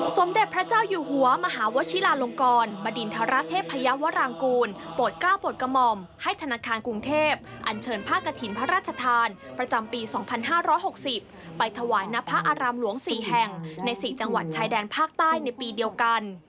สมเด็จพระเจ้าอยู่หัวมหาวชิลาลงกรบดินทรเทพยาวรางกูลโปรดกล้าวโปรดกระหม่อมให้ธนาคารกรุงเทพอันเชิญผ้ากระถิ่นพระราชทานประจำปี๒๕๖๐ไปถวายนพระอารามหลวง๔แห่งใน๔จังหวัดชายแดนภาคใต้ในปีเดียวกัน